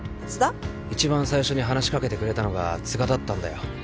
一番最初に話し掛けてくれたのが都賀だったんだよ。